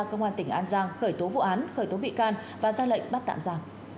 công an tỉnh an giang khởi tố vụ án khởi tố bị can và ra lệnh bắt tạm ra